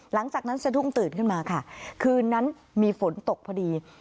หลังจากนั้นจะทุ่งตื่นขึ้นมาค่ะคืนนั้นมีฝนตกพอดี